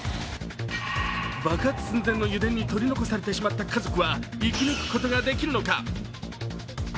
爆発寸前の油田に取り残されてしまった家族は生き抜くことができるのか。